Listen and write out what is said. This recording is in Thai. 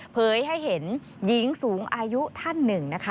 ให้เห็นหญิงสูงอายุท่านหนึ่งนะคะ